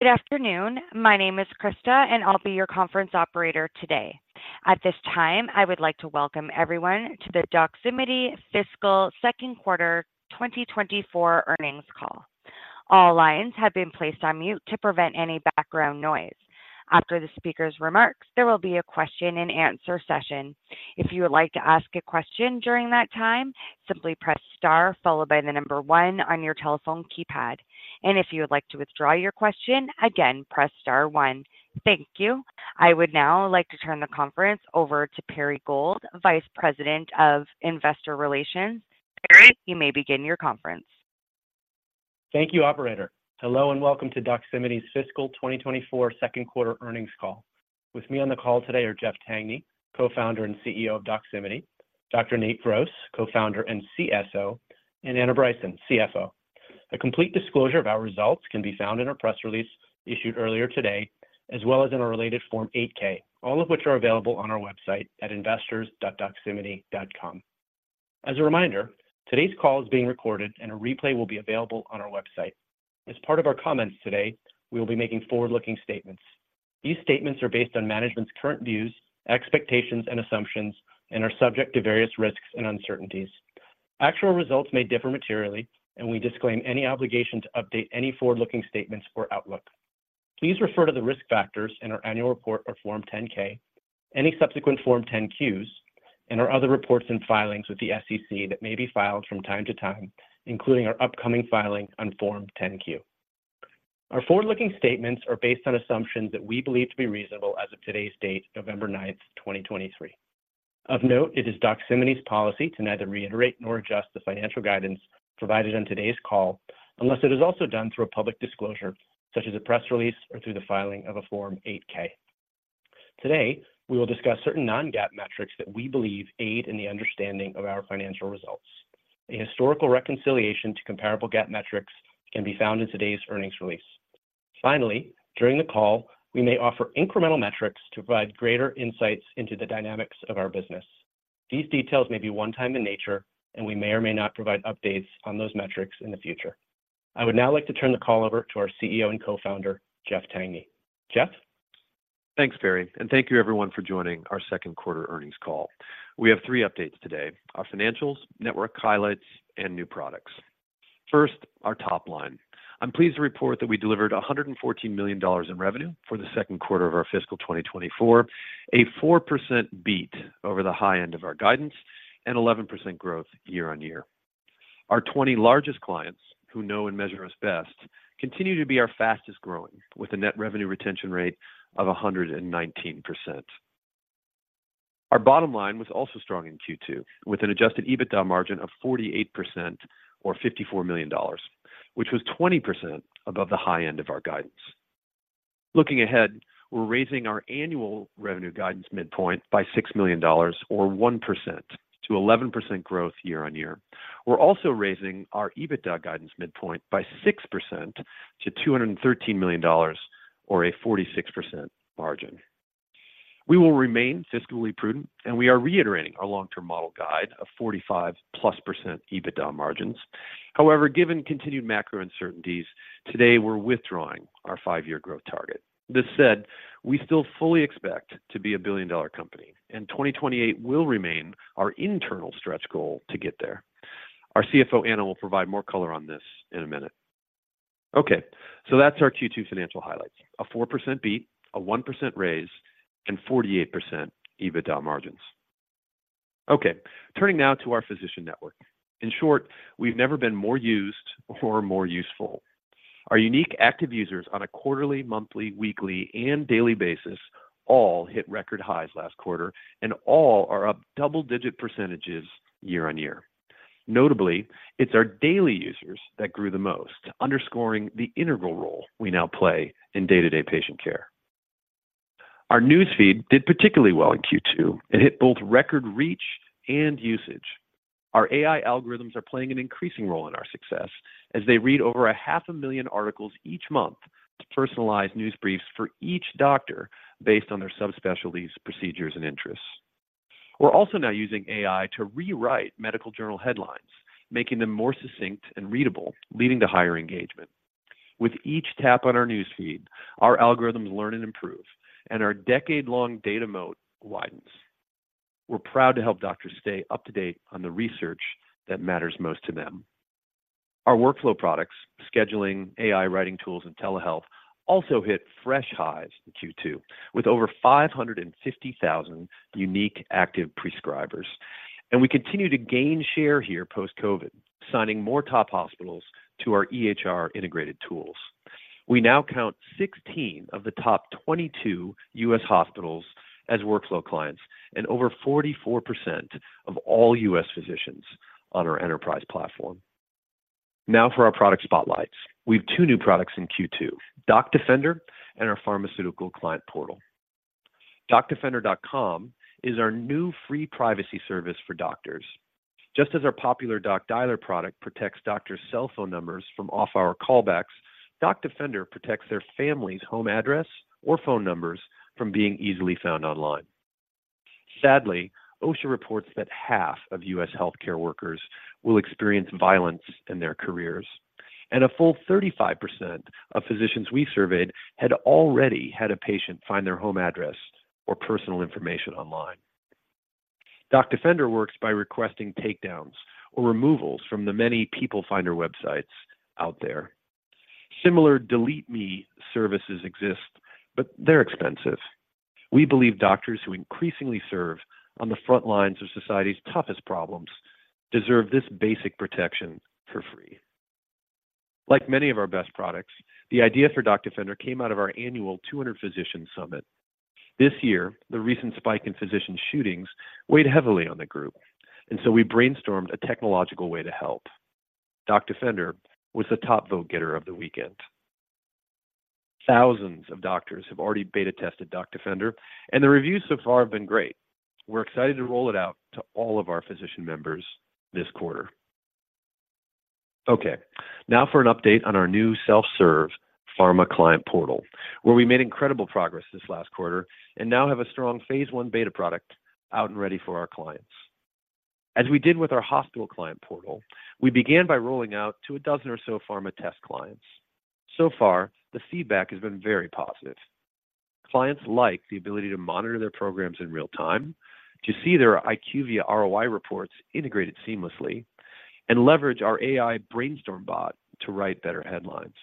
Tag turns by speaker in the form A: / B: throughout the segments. A: Good afternoon. My name is Krista, and I'll be your conference operator today. At this time, I would like to welcome everyone to the Doximity Fiscal Second Quarter 2024 earnings call. All lines have been placed on mute to prevent any background noise. After the speaker's remarks, there will be a question and answer session. If you would like to ask a question during that time, simply press star followed by the number one on your telephone keypad. If you would like to withdraw your question, again, press star one. Thank you. I would now like to turn the conference over to Perry Gold, Vice President of Investor Relations. Perry, you may begin your conference.
B: Thank you, operator. Hello, and welcome to Doximity's Fiscal 2024 second quarter earnings call. With me on the call today are Jeff Tangney, Co-founder and CEO of Doximity, Dr. Nate Gross, Co-founder and CSO, and Anna Bryson, CFO. A complete disclosure of our results can be found in our press release issued earlier today, as well as in our related Form 8-K, all of which are available on our website at investors.doximity.com. As a reminder, today's call is being recorded and a replay will be available on our website. As part of our comments today, we will be making forward-looking statements. These statements are based on management's current views, expectations, and assumptions, and are subject to various risks and uncertainties. Actual results may differ materially, and we disclaim any obligation to update any forward-looking statements or outlook. Please refer to the risk factors in our annual report or Form 10-K, any subsequent Form 10-Qs, and our other reports and filings with the SEC that may be filed from time to time, including our upcoming filing on Form 10-Q. Our forward-looking statements are based on assumptions that we believe to be reasonable as of today's date, November 9, 2023. Of note, it is Doximity's policy to neither reiterate nor adjust the financial guidance provided on today's call unless it is also done through a public disclosure, such as a press release or through the filing of a Form 8-K. Today, we will discuss certain non-GAAP metrics that we believe aid in the understanding of our financial results. A historical reconciliation to comparable GAAP metrics can be found in today's earnings release. Finally, during the call, we may offer incremental metrics to provide greater insights into the dynamics of our business. These details may be one-time in nature, and we may or may not provide updates on those metrics in the future. I would now like to turn the call over to our CEO and Co-founder, Jeff Tangney. Jeff?
C: Thanks, Perry, and thank you everyone for joining our second quarter earnings call. We have three updates today: our financials, network highlights, and new products. First, our top line. I'm pleased to report that we delivered $114 million in revenue for the second quarter of our fiscal 2024, a 4% beat over the high end of our guidance and 11% growth year-on-year. Our 20 largest clients, who know and measure us best, continue to be our fastest growing, with a net revenue retention rate of 119%. Our bottom line was also strong in Q2, with an adjusted EBITDA margin of 48% or $54 million, which was 20% above the high end of our guidance. Looking ahead, we're raising our annual revenue guidance midpoint by $6 million, or 1%-11% growth year-on-year. We're also raising our EBITDA guidance midpoint by 6% to $213 million, or a 46% margin. We will remain fiscally prudent, and we are reiterating our long-term model guide of 45%+ EBITDA margins. However, given continued macro uncertainties, today, we're withdrawing our five-year growth target. This said, we still fully expect to be a billion-dollar company, and 2028 will remain our internal stretch goal to get there. Our CFO, Anna, will provide more color on this in a minute. Okay, so that's our Q2 financial highlights: a 4% beat, a 1% raise, and 48% EBITDA margins. Okay, turning now to our physician network. In short, we've never been more used or more useful. Our unique active users on a quarterly, monthly, weekly, and daily basis all hit record highs last quarter, and all are up double-digit percentages year-over-year. Notably, it's our daily users that grew the most, underscoring the integral role we now play in day-to-day patient care. Our newsfeed did particularly well in Q2. It hit both record reach and usage. Our AI algorithms are playing an increasing role in our success as they read over 500,000 articles each month to personalize news briefs for each doctor based on their subspecialties, procedures, and interests. We're also now using AI to rewrite medical journal headlines, making them more succinct and readable, leading to higher engagement. With each tap on our newsfeed, our algorithms learn and improve, and our decade-long data moat widens. We're proud to help doctors stay up to date on the research that matters most to them. Our workflow products, scheduling, AI writing tools, and telehealth also hit fresh highs in Q2, with over 550,000 unique active prescribers, and we continue to gain share here post-COVID, signing more top hospitals to our EHR integrated tools. We now count 16 of the top 22 U.S. hospitals as workflow clients and over 44% of all U.S. physicians on our enterprise platform. Now for our product spotlights. We have two new products in Q2, DocDefender and our pharmaceutical client portal. DocDefender.com is our new free privacy service for doctors. Just as our popular DocDialer product protects doctors' cell phone numbers from off-hour callbacks, DocDefender protects their family's home address or phone numbers from being easily found online.... Sadly, OSHA reports that half of U.S. healthcare workers will experience violence in their careers, and a full 35% of physicians we surveyed had already had a patient find their home address or personal information online. DocDefender works by requesting takedowns or removals from the many people finder websites out there. Similar DeleteMe services exist, but they're expensive. We believe doctors who increasingly serve on the front lines of society's toughest problems deserve this basic protection for free. Like many of our best products, the idea for DocDefender came out of our annual 200 Physician Summit. This year, the recent spike in physician shootings weighed heavily on the group, and so we brainstormed a technological way to help. DocDefender was the top vote getter of the weekend. Thousands of doctors have already beta tested DocDefender, and the reviews so far have been great. We're excited to roll it out to all of our physician members this quarter. Okay, now for an update on our new self-serve pharma client portal, where we made incredible progress this last quarter and now have a strong phase I beta product out and ready for our clients. As we did with our hospital client portal, we began by rolling out to a dozen or so pharma test clients. So far, the feedback has been very positive. Clients like the ability to monitor their programs in real time, to see their IQVIA ROI reports integrated seamlessly, and leverage our AI brainstorm bot to write better headlines.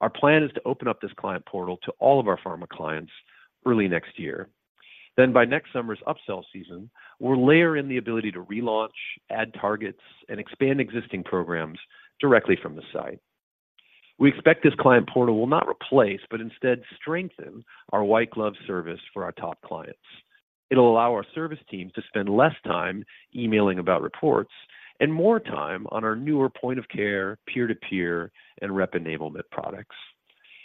C: Our plan is to open up this client portal to all of our pharma clients early next year. Then by next summer's upsell season, we'll layer in the ability to relaunch, add targets, and expand existing programs directly from the site. We expect this client portal will not replace, but instead strengthen our white glove service for our top clients. It'll allow our service team to spend less time emailing about reports and more time on our newer point of care, peer-to-peer, and rep enablement products.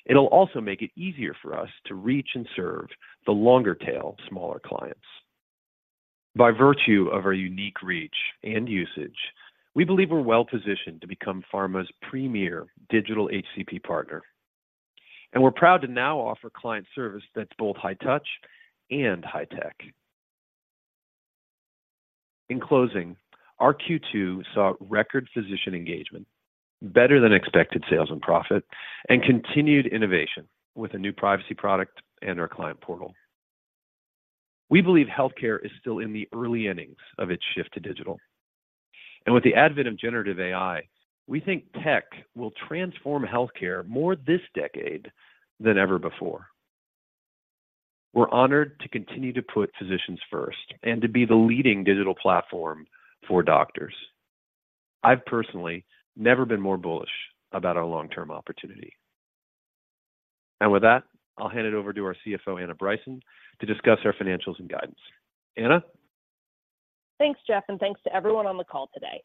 C: It'll also make it easier for us to reach and serve the longer tail, smaller clients. By virtue of our unique reach and usage, we believe we're well positioned to become pharma's premier digital HCP partner, and we're proud to now offer client service that's both high touch and high tech. In closing, our Q2 saw record physician engagement, better than expected sales and profit, and continued innovation with a new privacy product and our client portal. We believe healthcare is still in the early innings of its shift to digital, and with the advent of generative AI, we think tech will transform healthcare more this decade than ever before. We're honored to continue to put physicians first and to be the leading digital platform for doctors. I've personally never been more bullish about our long-term opportunity. And with that, I'll hand it over to our CFO, Anna Bryson, to discuss our financials and guidance. Anna?
D: Thanks, Jeff, and thanks to everyone on the call today.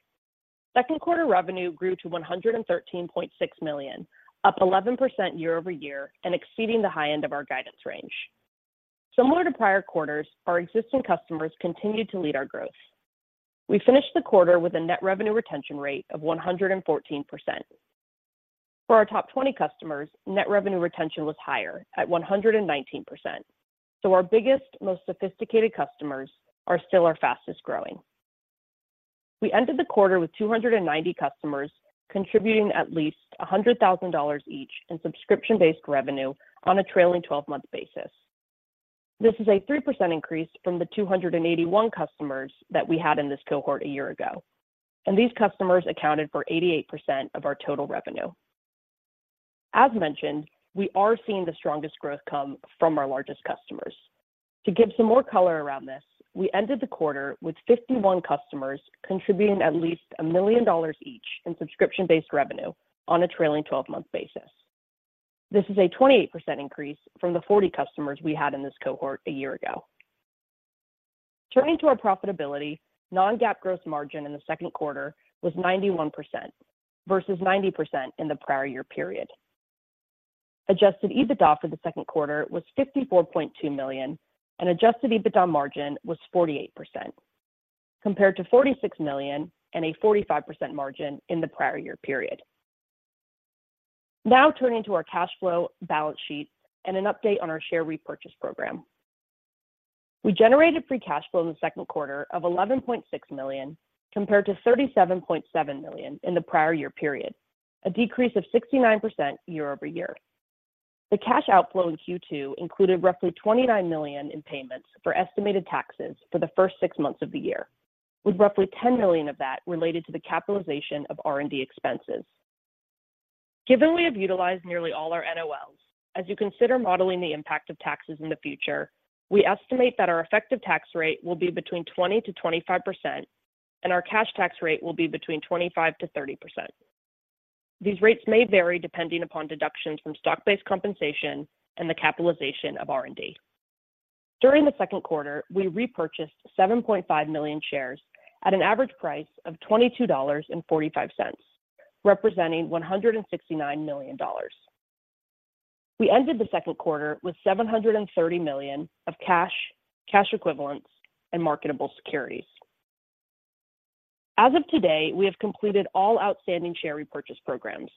D: Second quarter revenue grew to $113.6 million, up 11% year-over-year and exceeding the high end of our guidance range. Similar to prior quarters, our existing customers continued to lead our growth. We finished the quarter with a net revenue retention rate of 114%. For our top 20 customers, net revenue retention was higher at 119%, so our biggest, most sophisticated customers are still our fastest growing. We ended the quarter with 290 customers, contributing at least $100,000 each in subscription-based revenue on a trailing twelve-month basis. This is a 3% increase from the 281 customers that we had in this cohort a year ago, and these customers accounted for 88% of our total revenue. As mentioned, we are seeing the strongest growth come from our largest customers. To give some more color around this, we ended the quarter with 51 customers contributing at least $1 million each in subscription-based revenue on a trailing 12-month basis. This is a 28% increase from the 40 customers we had in this cohort a year ago. Turning to our profitability, non-GAAP gross margin in the second quarter was 91% versus 90% in the prior year period. Adjusted EBITDA for the second quarter was $54.2 million, and adjusted EBITDA margin was 48%, compared to $46 million and a 45% margin in the prior year period. Now, turning to our cash flow balance sheet and an update on our share repurchase program. We generated free cash flow in the second quarter of $11.6 million, compared to $37.7 million in the prior year period, a decrease of 69% year-over-year. The cash outflow in Q2 included roughly $29 million in payments for estimated taxes for the first six months of the year, with roughly $10 million of that related to the capitalization of R&D expenses. Given we have utilized nearly all our NOLs, as you consider modeling the impact of taxes in the future, we estimate that our effective tax rate will be between 20%-25%, and our cash tax rate will be between 25%-30%. These rates may vary depending upon deductions from stock-based compensation and the capitalization of R&D. During the second quarter, we repurchased 7.5 million shares at an average price of $22.45, representing $169 million. We ended the second quarter with $730 million of cash, cash equivalents, and marketable securities. As of today, we have completed all outstanding share repurchase programs,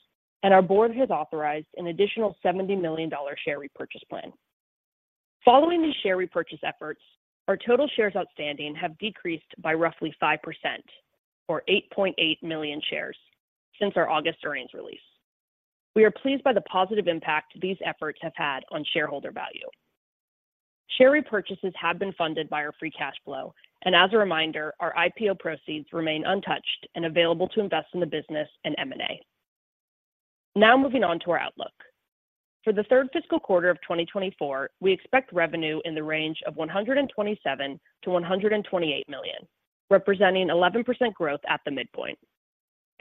D: and our board has authorized an additional $70 million share repurchase plan. Following these share repurchase efforts, our total shares outstanding have decreased by roughly 5%, or 8.8 million shares since our August earnings release. We are pleased by the positive impact these efforts have had on shareholder value. Share repurchases have been funded by our free cash flow, and as a reminder, our IPO proceeds remain untouched and available to invest in the business and M&A. Now, moving on to our outlook. For the third fiscal quarter of 2024, we expect revenue in the range of $127 million-$128 million, representing 11% growth at the midpoint,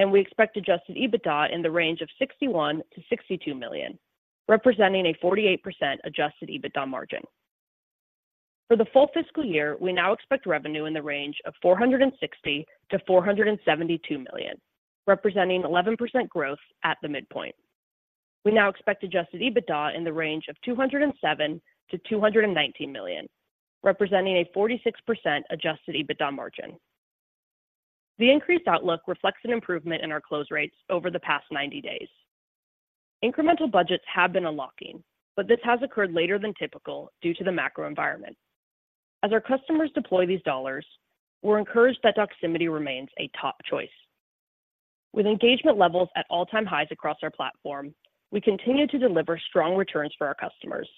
D: and we expect adjusted EBITDA in the range of $61 million-$62 million, representing a 48% adjusted EBITDA margin. For the full fiscal year, we now expect revenue in the range of $460 million-$472 million, representing 11% growth at the midpoint. We now expect adjusted EBITDA in the range of $207 million-$219 million, representing a 46% adjusted EBITDA margin. The increased outlook reflects an improvement in our close rates over the past 90 days. Incremental budgets have been unlocking, but this has occurred later than typical due to the macro environment. As our customers deploy these dollars, we're encouraged that Doximity remains a top choice. With engagement levels at all-time highs across our platform, we continue to deliver strong returns for our customers,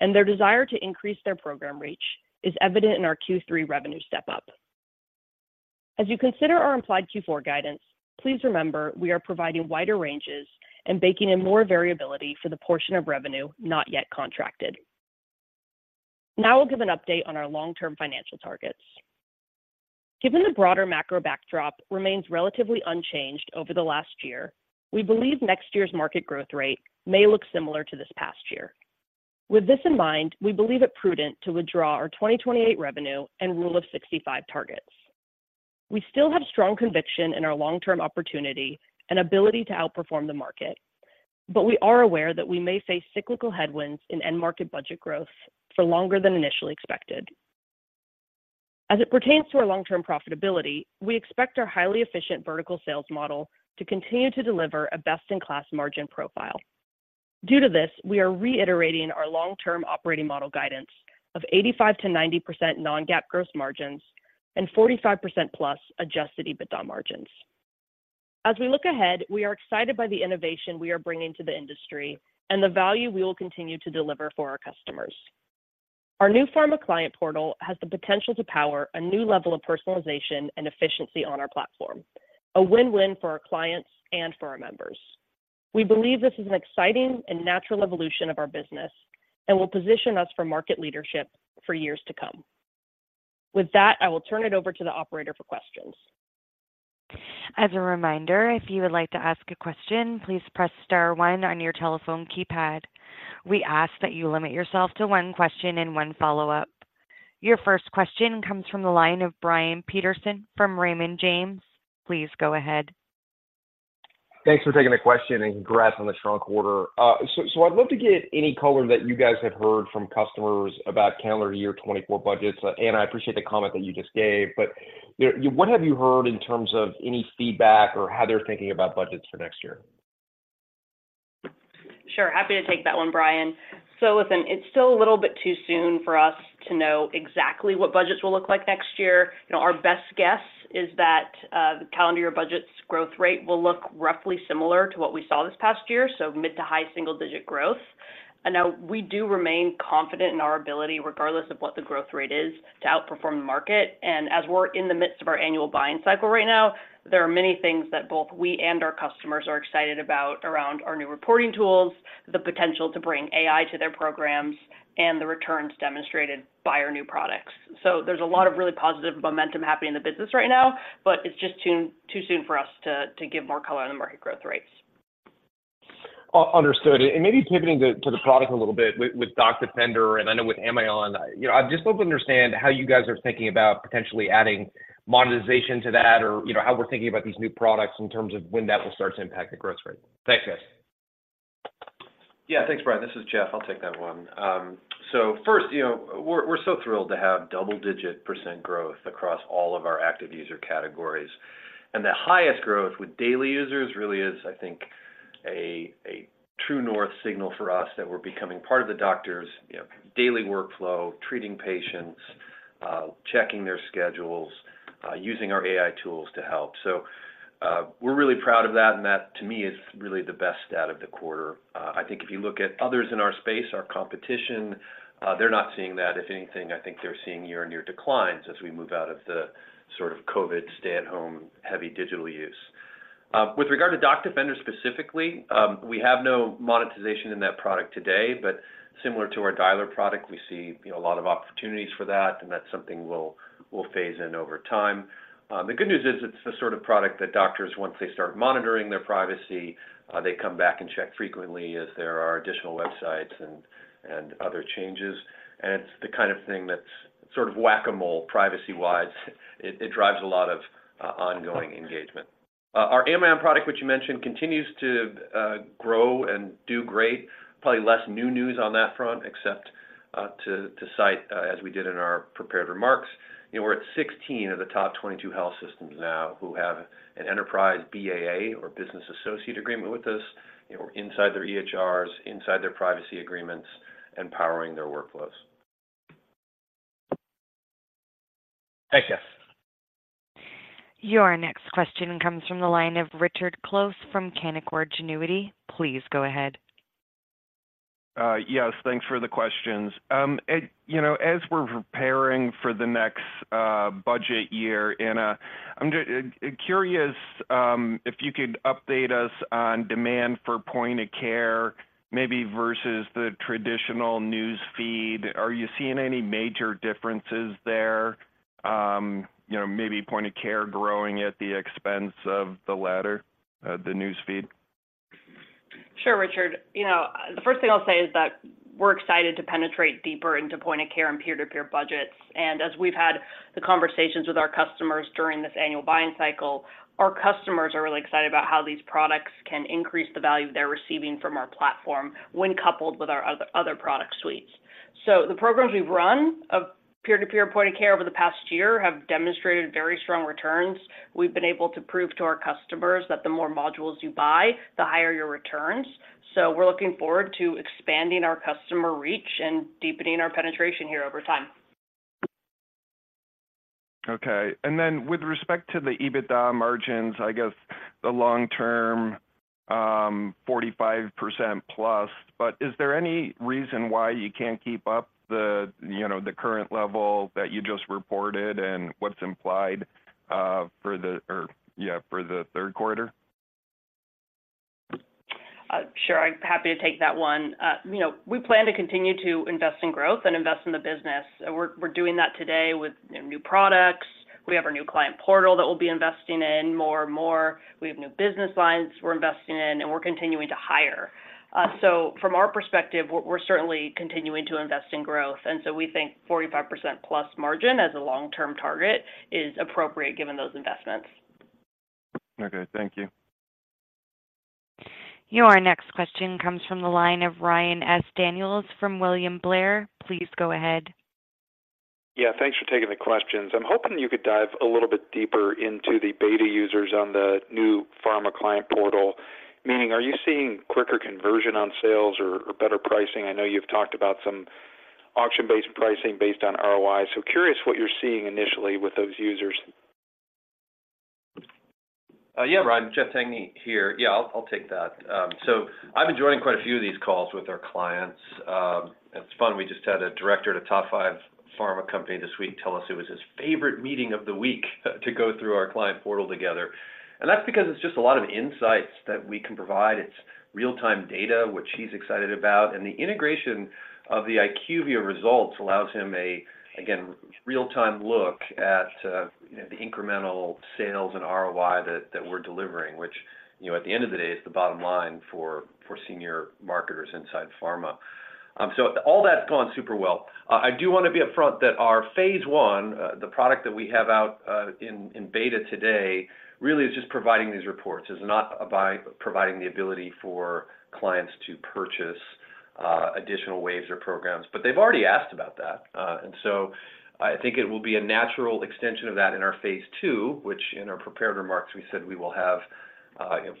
D: and their desire to increase their program reach is evident in our Q3 revenue step up. As you consider our implied Q4 guidance, please remember we are providing wider ranges and baking in more variability for the portion of revenue not yet contracted. Now I'll give an update on our long-term financial targets. Given the broader macro backdrop remains relatively unchanged over the last year, we believe next year's market growth rate may look similar to this past year. With this in mind, we believe it prudent to withdraw our 2028 revenue and Rule of 65 targets. We still have strong conviction in our long-term opportunity and ability to outperform the market, but we are aware that we may face cyclical headwinds in end-market budget growth for longer than initially expected. As it pertains to our long-term profitability, we expect our highly efficient vertical sales model to continue to deliver a best-in-class margin profile. Due to this, we are reiterating our long-term operating model guidance of 85%-90% non-GAAP gross margins and 45%+ adjusted EBITDA margins. As we look ahead, we are excited by the innovation we are bringing to the industry and the value we will continue to deliver for our customers. Our new pharma client portal has the potential to power a new level of personalization and efficiency on our platform, a win-win for our clients and for our members. We believe this is an exciting and natural evolution of our business and will position us for market leadership for years to come. With that, I will turn it over to the operator for questions.
A: As a reminder, if you would like to ask a question, please press star one on your telephone keypad. We ask that you limit yourself to one question and one follow-up. Your first question comes from the line of Brian Peterson from Raymond James. Please go ahead.
E: Thanks for taking the question, and congrats on the strong quarter. So, I'd love to get any color that you guys have heard from customers about calendar year 2024 budgets. I appreciate the comment that you just gave, but there, what have you heard in terms of any feedback or how they're thinking about budgets for next year?
D: Sure. Happy to take that one, Brian. So listen, it's still a little bit too soon for us to know exactly what budgets will look like next year. You know, our best guess is that the calendar year budgets growth rate will look roughly similar to what we saw this past year, so mid- to high-single-digit growth. And now we do remain confident in our ability, regardless of what the growth rate is, to outperform the market. And as we're in the midst of our annual buying cycle right now, there are many things that both we and our customers are excited about around our new reporting tools, the potential to bring AI to their programs, and the returns demonstrated by our new products. So there's a lot of really positive momentum happening in the business right now, but it's just too soon for us to give more color on the market growth rates.
E: Understood. Maybe pivoting to the product a little bit, with DocDefender, and I know with Amion, you know, I just hope to understand how you guys are thinking about potentially adding monetization to that or, you know, how we're thinking about these new products in terms of when that will start to impact the growth rate. Thanks, guys.
C: Yeah, thanks, Brian. This is Jeff. I'll take that one. So first, you know, we're, we're so thrilled to have double-digit % growth across all of our active user categories. And the highest growth with daily users really is, I think, a true north signal for us that we're becoming part of the doctor's, you know, daily workflow, treating patients, checking their schedules, using our AI tools to help. So, we're really proud of that, and that, to me, is really the best stat of the quarter. I think if you look at others in our space, our competition, they're not seeing that. If anything, I think they're seeing year-on-year declines as we move out of the sort of COVID, stay-at-home, heavy digital use. With regard to DocDefender specifically, we have no monetization in that product today, but similar to our dialer product, we see, you know, a lot of opportunities for that, and that's something we'll phase in over time. The good news is it's the sort of product that doctors, once they start monitoring their privacy, they come back and check frequently as there are additional websites and other changes. And it's the kind of thing that's sort of whack-a-mole, privacy-wise. It drives a lot of ongoing engagement. Our Amion product, which you mentioned, continues to grow and do great. Probably less new news on that front, except to cite, as we did in our prepared remarks, you know, we're at 16 of the top 22 health systems now who have an enterprise BAA or business associate agreement with us. You know, we're inside their EHRs, inside their privacy agreements, and powering their workflows. Thanks, guys.
A: Your next question comes from the line of Richard Close from Canaccord Genuity. Please go ahead.
F: Yes, thanks for the questions. You know, as we're preparing for the next budget year, Anna, I'm just curious if you could update us on demand for point of care, maybe versus the traditional news feed. Are you seeing any major differences there? You know, maybe point of care growing at the expense of the latter, the news feed?
D: Sure, Richard. You know, the first thing I'll say is that we're excited to penetrate deeper into point of care and peer-to-peer budgets. As we've had the conversations with our customers during this annual buying cycle, our customers are really excited about how these products can increase the value they're receiving from our platform when coupled with our other, other product suites. So the programs we've run of peer-to-peer point of care over the past year have demonstrated very strong returns. We've been able to prove to our customers that the more modules you buy, the higher your returns. So we're looking forward to expanding our customer reach and deepening our penetration here over time.
F: Okay. And then with respect to the EBITDA margins, I guess the long term, 45% plus, but is there any reason why you can't keep up the, you know, the current level that you just reported and what's implied, yeah, for the third quarter?
D: Sure, I'm happy to take that one. You know, we plan to continue to invest in growth and invest in the business. We're doing that today with, you know, new products. We have our new client portal that we'll be investing in more and more. We have new business lines we're investing in, and we're continuing to hire. So from our perspective, we're certainly continuing to invest in growth, and so we think 45%+ margin as a long-term target is appropriate given those investments.
F: Okay, thank you.
A: Your next question comes from the line of Ryan Daniels from William Blair. Please go ahead.
G: Yeah, thanks for taking the questions. I'm hoping you could dive a little bit deeper into the beta users on the new pharma client portal. Meaning, are you seeing quicker conversion on sales or, or better pricing? I know you've talked about some auction-based pricing based on ROI, so curious what you're seeing initially with those users.
C: Yeah, Ryan. Jeff Tangney here. Yeah, I'll take that. So I've been joining quite a few of these calls with our clients. It's fun. We just had a director at a top five pharma company this week tell us it was his favorite meeting of the week to go through our client portal together. And that's because it's just a lot of insights that we can provide. It's real-time data, which he's excited about, and the integration of the IQVIA results allows him a, again, real-time look at, you know, the incremental sales and ROI that we're delivering, which, you know, at the end of the day, is the bottom line for senior marketers inside pharma. So all that's gone super well. I do want to be upfront that our phase I, the product that we have out in beta today, really is just providing these reports. It's not about providing the ability for clients to purchase additional waves or programs, but they've already asked about that. And so I think it will be a natural extension of that in our phase II, which in our prepared remarks, we said we will have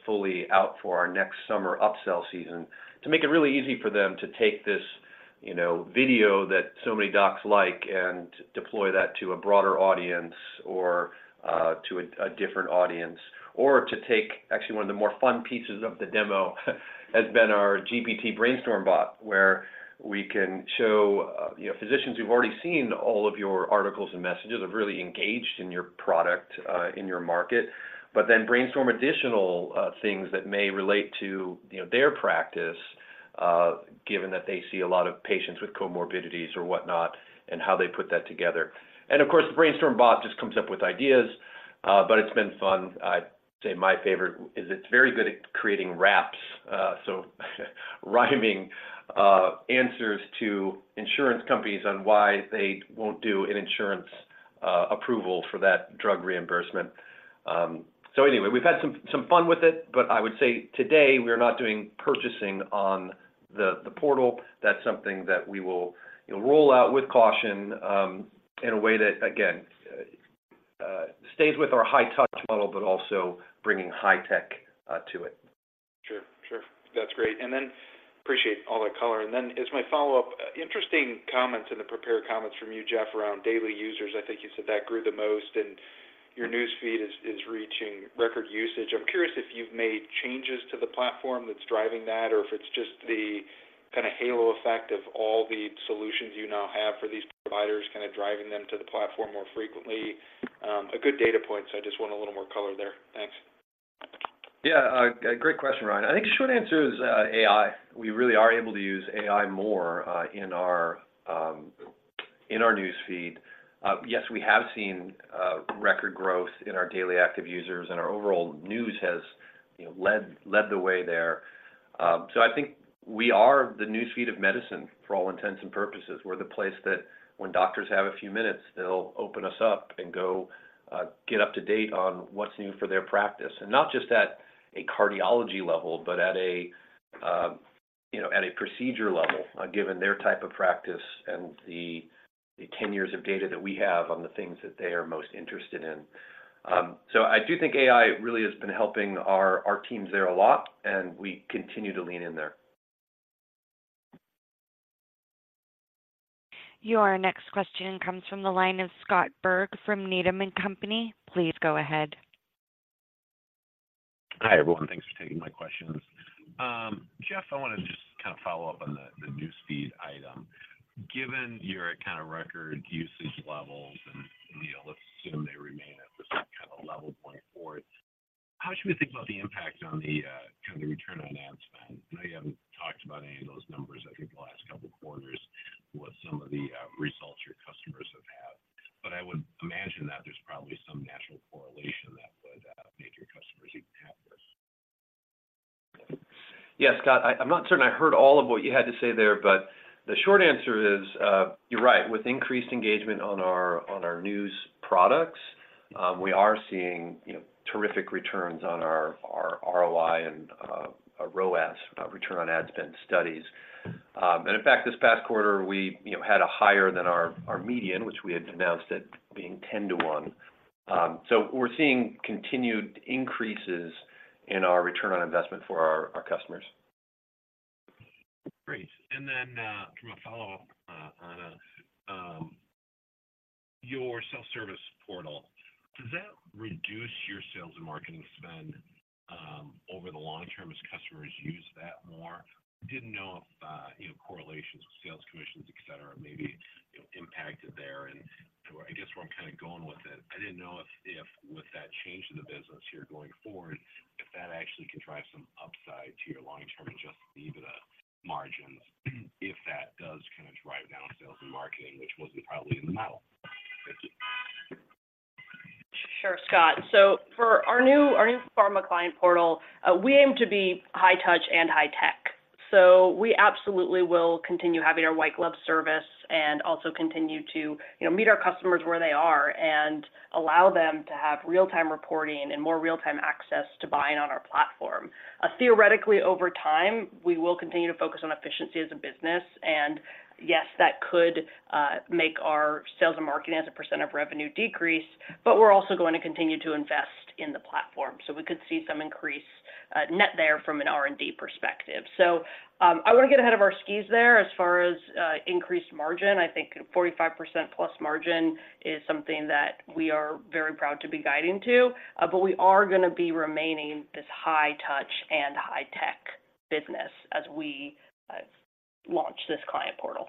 C: fully out for our next summer upsell season to make it really easy for them to take this, you know, video that so many docs like and deploy that to a broader audience or to a different audience. Or to take... Actually, one of the more fun pieces of the demo has been our GPT brainstorm bot, where we can show, you know, physicians who've already seen all of your articles and messages, have really engaged in your product, in your market, but then brainstorm additional things that may relate to, you know, their practice, given that they see a lot of patients with comorbidities or whatnot, and how they put that together. Of course, the brainstorm bot just comes up with ideas, but it's been fun. I'd say my favorite is it's very good at creating raps, so rhyming answers to insurance companies on why they won't do an insurance approval for that drug reimbursement. So anyway, we've had some fun with it, but I would say today, we're not doing purchasing on the portal. That's something that we will roll out with caution, in a way that, again, stays with our high touch model, but also bringing high tech, to it.
G: Sure, sure. That's great. And then, appreciate all that color. And then as my follow-up, interesting comments in the prepared comments from you, Jeff, around daily users. I think you said that grew the most, and your news feed is reaching record usage. I'm curious if you've made changes to the platform that's driving that, or if it's just the kind of halo effect of all the solutions you now have for these providers, kind of driving them to the platform more frequently. A good data point, so I just want a little more color there. Thanks.
C: Yeah, great question, Ryan. I think the short answer is, AI. We really are able to use AI more, in our news feed. Yes, we have seen, record growth in our daily active users, and our overall news has, you know, led the way there.... So I think we are the newsfeed of medicine, for all intents and purposes. We're the place that when doctors have a few minutes, they'll open us up and go, get up to date on what's new for their practice. And not just at a cardiology level, but at a, you know, at a procedure level, given their type of practice and the 10 years of data that we have on the things that they are most interested in. I do think AI really has been helping our teams there a lot, and we continue to lean in there.
A: Your next question comes from the line of Scott Berg from Needham & Company. Please go ahead.
H: Hi, everyone. Thanks for taking my questions. Jeff, I wanted to just kind of follow up on the, the newsfeed item. Given your kind of record usage levels, and, you know, let's assume they remain at the same kind of level going forward, how should we think about the impact on the, kind of the return on ad spend? I know you haven't talked about any of those numbers, I think, the last couple quarters, what some of the, results your customers have had. But I would imagine that there's probably some natural correlation that would, make your customers even happier.
C: Yeah, Scott, I, I'm not certain I heard all of what you had to say there, but the short answer is, you're right. With increased engagement on our, on our news products, we are seeing, you know, terrific returns on our, our ROI and, ROAS, return on ad spend studies. And in fact, this past quarter, we, you know, had a higher than our, our median, which we had announced it being 10-to-1. So we're seeing continued increases in our return on investment for our, our customers.
H: Great. And then, from a follow-up, on, your self-service portal, does that reduce your sales and marketing spend, over the long term as customers use that more? I didn't know if, you know, correlations with sales commissions, et cetera, may be, you know, impacted there. And I guess where I'm kind of going with it, I didn't know if with that change in the business here going forward, if that actually can drive some upside to your long-term adjusted EBITDA margins, if that does kind of drive down sales and marketing, which wasn't probably in the model. Thank you.
D: Sure, Scott. So for our new, our new pharma client portal, we aim to be high touch and high tech. So we absolutely will continue having our white glove service and also continue to, you know, meet our customers where they are and allow them to have real-time reporting and more real-time access to buying on our platform. Theoretically, over time, we will continue to focus on efficiency as a business, and yes, that could make our sales and marketing as a % of revenue decrease, but we're also going to continue to invest in the platform. So we could see some increase, net there from an R&D perspective. So, I want to get ahead of our skis there. As far as increased margin, I think 45%+ margin is something that we are very proud to be guiding to, but we are gonna be remaining this high touch and high tech business as we launch this client portal.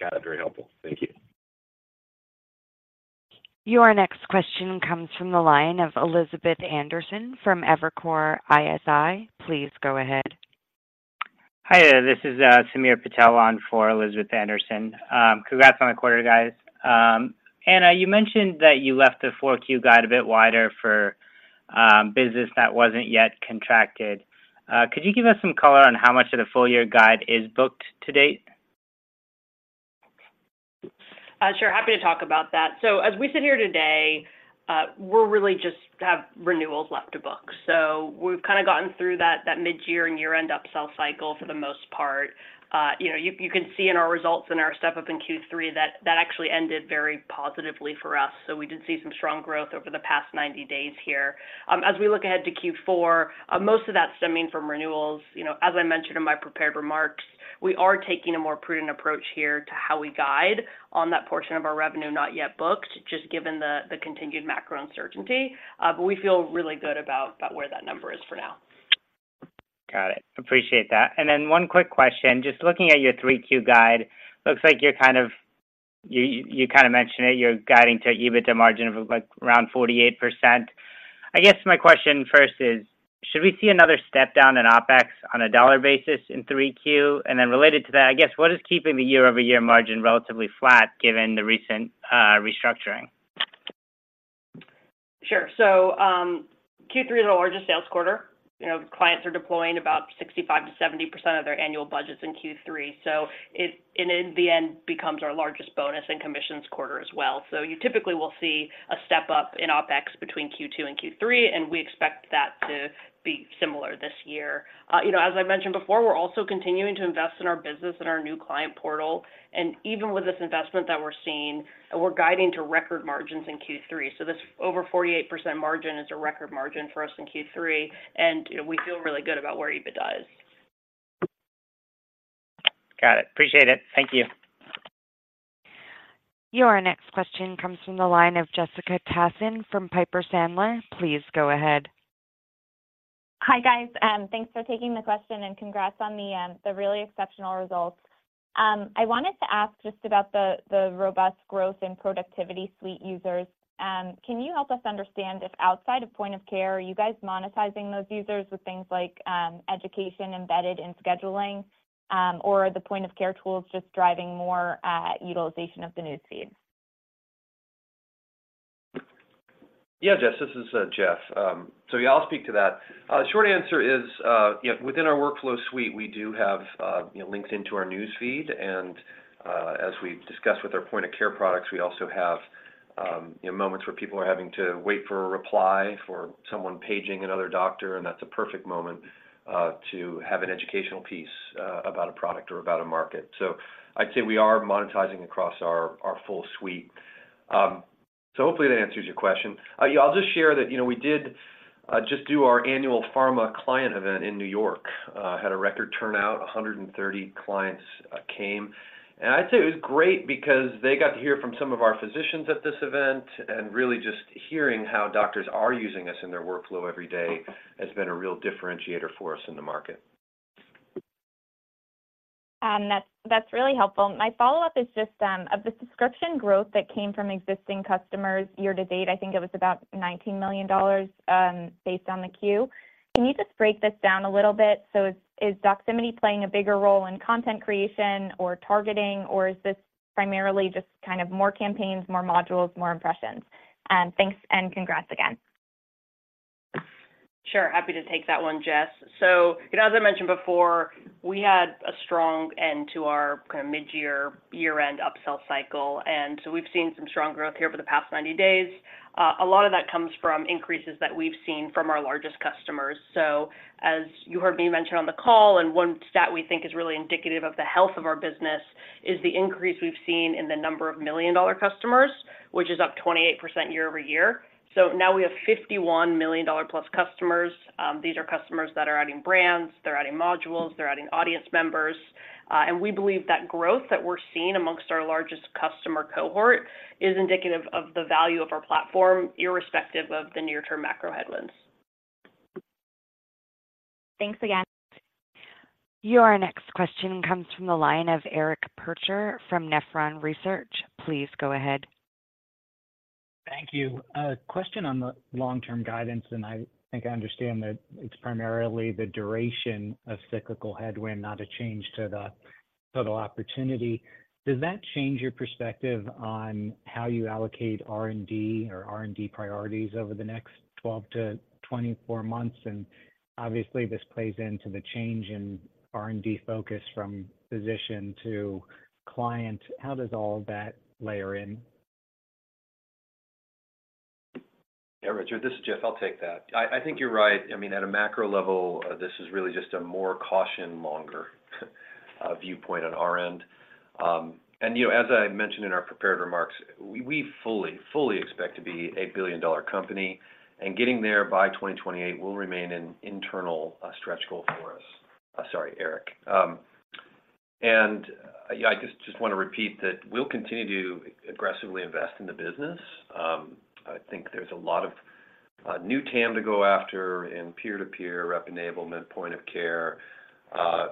H: Got it. Very helpful. Thank you.
A: Your next question comes from the line of Elizabeth Anderson from Evercore ISI. Please go ahead.
I: Hi, this is Samir Patel on for Elizabeth Anderson. Congrats on the quarter, guys. Anna, you mentioned that you left the 4Q guide a bit wider for business that wasn't yet contracted. Could you give us some color on how much of the full-year guide is booked to date?
D: Sure. Happy to talk about that. So as we sit here today, we're really just have renewals left to book. So we've kind of gotten through that mid-year and year-end upsell cycle for the most part. You know, you can see in our results and our step-up in Q3, that actually ended very positively for us, so we did see some strong growth over the past 90 days here. As we look ahead to Q4, most of that stemming from renewals. You know, as I mentioned in my prepared remarks, we are taking a more prudent approach here to how we guide on that portion of our revenue not yet booked, just given the continued macro uncertainty. But we feel really good about where that number is for now.
I: Got it. Appreciate that. And then one quick question. Just looking at your 3Q guide, looks like you're kind of... kind of mentioned it, you're guiding to EBITDA margin of, like, around 48%. I guess my question first is: Should we see another step down in OpEx on a dollar basis in 3Q? And then related to that, I guess, what is keeping the year-over-year margin relatively flat, given the recent restructuring?
D: Sure. So, Q3 is the largest sales quarter. You know, clients are deploying about 65%-70% of their annual budgets in Q3, so it, and in the end, becomes our largest bonus and commissions quarter as well. So you typically will see a step-up in OpEx between Q2 and Q3, and we expect that to be similar this year. You know, as I mentioned before, we're also continuing to invest in our business and our new client portal, and even with this investment that we're seeing, we're guiding to record margins in Q3. So this over 48% margin is a record margin for us in Q3, and, you know, we feel really good about where EBITDA is.
I: Got it. Appreciate it. Thank you.
A: Your next question comes from the line of Jessica Tassan from Piper Sandler. Please go ahead.
J: Hi, guys, thanks for taking the question, and congrats on the really exceptional results. I wanted to ask just about the robust growth in Productivity suite users. Can you help us understand if outside of point of care, are you guys monetizing those users with things like education embedded in scheduling, or are the point-of-care tools just driving more utilization of the newsfeed? Yeah, Jess, this is Jeff. So, yeah, I'll speak to that.
C: The short answer is, you know, within our workflow suite, we do have, you know, linked into our newsfeed, and, as we've discussed with our point of care products, we also have, you know, moments where people are having to wait for a reply, for someone paging another doctor, and that's a perfect moment, to have an educational piece, about a product or about a market. So I'd say we are monetizing across our, our full suite. So hopefully that answers your question. Yeah, I'll just share that, you know, we did, just do our annual pharma client event in New York. Had a record turnout, 130 clients came, and I'd say it was great because they got to hear from some of our physicians at this event, and really just hearing how doctors are using us in their workflow every day has been a real differentiator for us in the market.
J: That's, that's really helpful. My follow-up is just, of the subscription growth that came from existing customers year to date, I think it was about $19 million, based on the Q. Can you just break this down a little bit? So is, is Doximity playing a bigger role in content creation or targeting, or is this primarily just kind of more campaigns, more modules, more impressions? And thanks, and congrats again.
D: Sure. Happy to take that one, Jess. So, you know, as I mentioned before, we had a strong end to our kind of mid-year, year-end upsell cycle, and so we've seen some strong growth here over the past 90 days. A lot of that comes from increases that we've seen from our largest customers. So as you heard me mention on the call, and one stat we think is really indicative of the health of our business, is the increase we've seen in the number of million-dollar customers, which is up 28% year-over-year. So now we have 51 million-dollar-plus customers. These are customers that are adding brands, they're adding modules, they're adding audience members, and we believe that growth that we're seeing amongst our largest customer cohort is indicative of the value of our platform, irrespective of the near-term macro headwinds.
J: Thanks again.
A: Your next question comes from the line of Eric Percher from Nephron Research. Please go ahead.
K: Thank you. A question on the long-term guidance, and I think I understand that it's primarily the duration of cyclical headwind, not a change to the total opportunity. Does that change your perspective on how you allocate R&D or R&D priorities over the next 12-24 months? Obviously, this plays into the change in R&D focus from physician to client. How does all of that layer in?
C: Yeah, Richard, this is Jeff. I'll take that. I think you're right. I mean, at a macro level, this is really just a more cautious, longer viewpoint on our end. And, you know, as I mentioned in our prepared remarks, we fully expect to be a billion-dollar company, and getting there by 2028 will remain an internal stretch goal for us. Sorry, Eric. And, yeah, I just wanna repeat that we'll continue to aggressively invest in the business. I think there's a lot of new TAM to go after in peer-to-peer, rep enablement, point of care.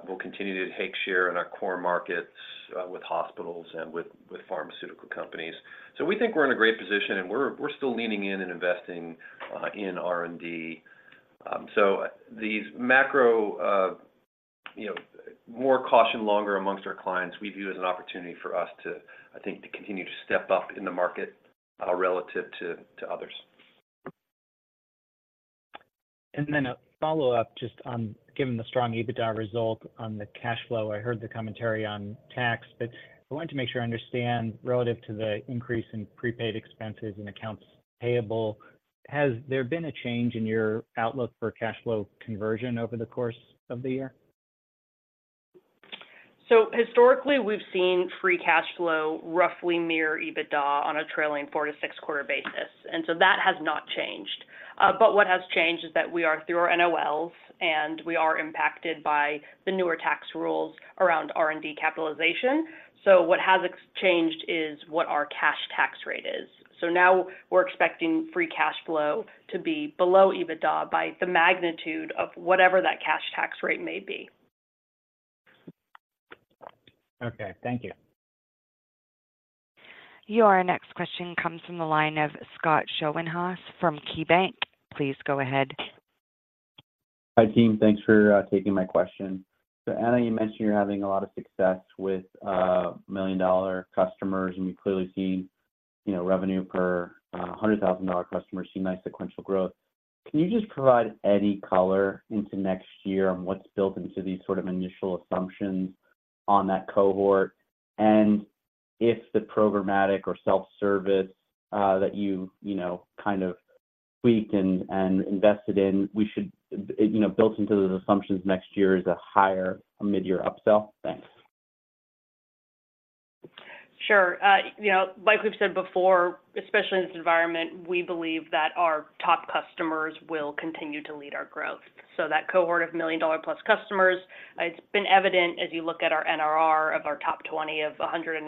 C: We'll continue to take share in our core markets with hospitals and with pharmaceutical companies. So we think we're in a great position, and we're still leaning in and investing in R&D. These macro, you know, more caution longer amongst our clients, we view as an opportunity for us to, I think, continue to step up in the market, relative to others.
K: Then a follow-up, just on given the strong EBITDA result on the cash flow. I heard the commentary on tax, but I wanted to make sure I understand relative to the increase in prepaid expenses and accounts payable, has there been a change in your outlook for cash flow conversion over the course of the year?
D: So historically, we've seen free cash flow roughly near EBITDA on a trailing 4-6 quarter basis, and so that has not changed. But what has changed is that we are through our NOLs, and we are impacted by the newer tax rules around R&D capitalization. So what has changed is what our cash tax rate is. So now we're expecting free cash flow to be below EBITDA by the magnitude of whatever that cash tax rate may be.
K: Okay, thank you.
A: Your next question comes from the line of Scott Schoenhaus from KeyBanc. Please go ahead.
L: Hi, team. Thanks for taking my question. So, Anna, you mentioned you're having a lot of success with million-dollar customers, and you've clearly seen, you know, revenue per hundred thousand dollar customers see nice sequential growth. Can you just provide any color into next year on what's built into these sort of initial assumptions on that cohort? And if the programmatic or self-service that you, you know, kind of tweaked and invested in, we should, you know, built into those assumptions next year is a higher mid-year upsell? Thanks.
D: Sure. You know, like we've said before, especially in this environment, we believe that our top customers will continue to lead our growth. So that cohort of million-dollar-plus customers, it's been evident as you look at our NRR of our top 20 of 119%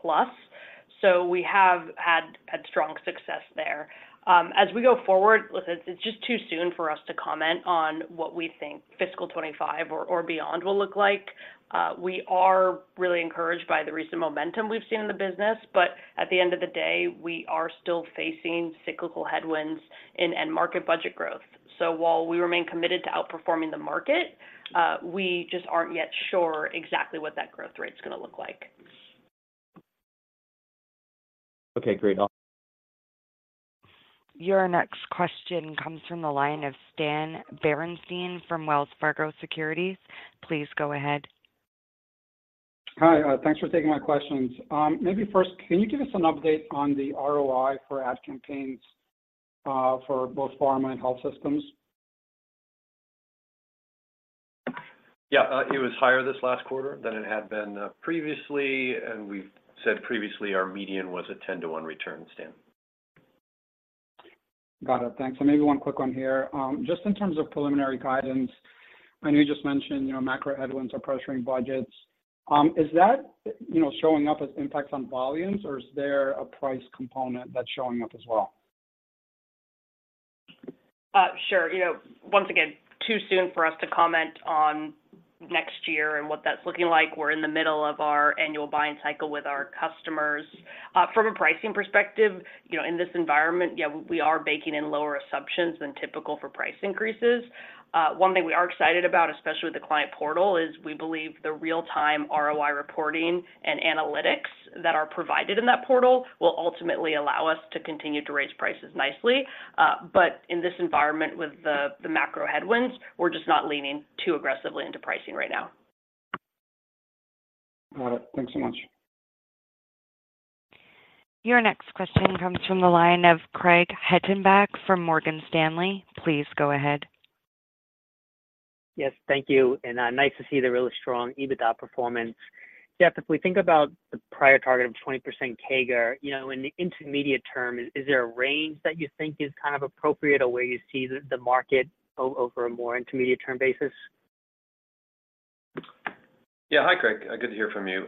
D: plus. So we have had strong success there. As we go forward, listen, it's just too soon for us to comment on what we think fiscal 2025 or beyond will look like. We are really encouraged by the recent momentum we've seen in the business, but at the end of the day, we are still facing cyclical headwinds in end market budget growth. So while we remain committed to outperforming the market, we just aren't yet sure exactly what that growth rate's gonna look like....
L: Okay, great. Awesome.
A: Your next question comes from the line of Stan Berenshteyn from Wells Fargo Securities. Please go ahead.
M: Hi, thanks for taking my questions. Maybe first, can you give us an update on the ROI for ad campaigns, for both pharma and health systems?
C: Yeah, it was higher this last quarter than it had been previously, and we've said previously our median was a 10-to-1 return, Stan.
M: Got it. Thanks. So maybe one quick one here. Just in terms of preliminary guidance, I know you just mentioned, you know, macro headwinds are pressuring budgets. Is that, you know, showing up as impacts on volumes, or is there a price component that's showing up as well?
D: Sure. You know, once again, too soon for us to comment on next year and what that's looking like. We're in the middle of our annual buying cycle with our customers. From a pricing perspective, you know, in this environment, yeah, we are baking in lower assumptions than typical for price increases. One thing we are excited about, especially with the client portal, is we believe the real-time ROI reporting and analytics that are provided in that portal will ultimately allow us to continue to raise prices nicely. But in this environment, with the macro headwinds, we're just not leaning too aggressively into pricing right now.
M: Got it. Thanks so much.
A: Your next question comes from the line of Craig Hettenbach from Morgan Stanley. Please go ahead.
N: Yes, thank you, and nice to see the really strong EBITDA performance. Jeff, if we think about the prior target of 20% CAGR, you know, in the intermediate term, is there a range that you think is kind of appropriate, or where you see the market over a more intermediate-term basis?
C: Yeah. Hi, Craig. Good to hear from you.